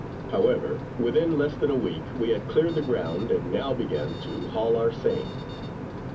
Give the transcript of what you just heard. However, within less than a week, we had cleared the ground, and now began to haul our seine.